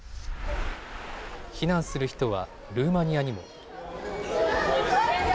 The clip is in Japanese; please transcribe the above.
避難する人はルーマニアにも。